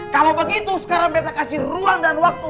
kalau begitu sekarang kita kasih ruang dan waktu